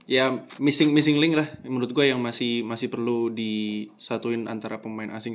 ya missing missing link lah menurut gue yang masih perlu disatuin antara pemain asing